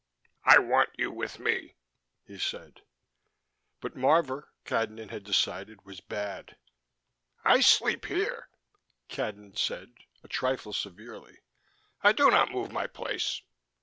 "I want you with me," he said. But Marvor, Cadnan had decided, was bad. "I sleep here," Cadnan said, a trifle severely. "I do not move my place."